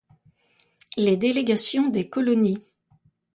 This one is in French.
Les délégations des colonies.